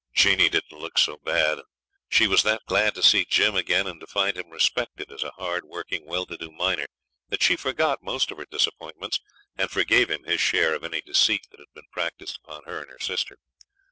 Jeanie didn't look so bad, and she was that glad to see Jim again and to find him respected as a hard working well to do miner that she forgot most of her disappointments and forgave him his share of any deceit that had been practised upon her and her sister.